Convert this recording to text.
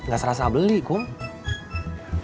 gak serasa beli kum